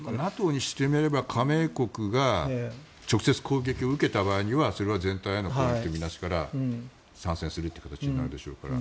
ＮＡＴＯにしてみれば加盟国が直接攻撃を受けた場合にはそれは全体への攻撃と見なすから参戦するという形になるでしょうから。